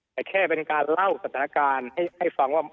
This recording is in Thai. แต่แค่เป็นการเล่าสถานการณ์ให้ฟังว่า